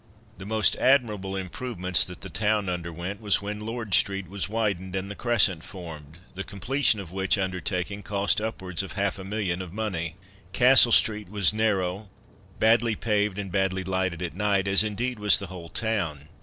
The most admirable improvements that the town underwent was when Lord street was widened and the Crescent formed, the completion of which undertaking cost upwards of half a million of money. Castle street was narrow, badly paved, and badly lighted at night, as, indeed, was the whole town.